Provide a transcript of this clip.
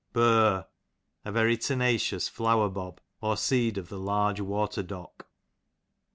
Bur, a very tenacious flowerbob, or seed of the large water dock.